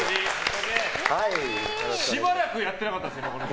しばらくやってなかったですね。